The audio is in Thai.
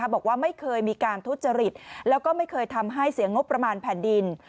บอกว่าไม่เคยมีการทุจริตแล้วก็ไม่เคยทำให้เสียงงบประมาณแผ่นดิน